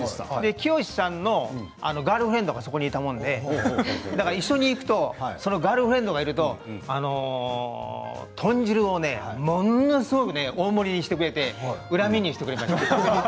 きよしさんのガールフレンドがそこにいたものでだから一緒に行くとそのガールフレンドがいると豚汁をものすごく大盛りにしてくれて裏メニューしてくれました。